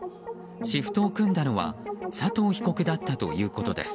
シフトを組んだのは佐藤被告だったということです。